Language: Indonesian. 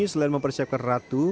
selain mempersiapkan ratu